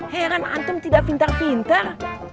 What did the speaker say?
heran anton tidak pintar pintar